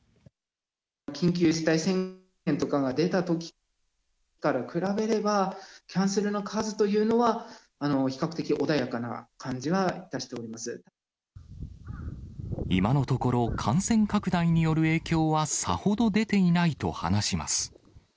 緊急事態宣言とかが出たときから比べれば、キャンセルの数というのは、比較的穏やかな感じは今のところ、感染拡大による影響はさほど出ていないと話します。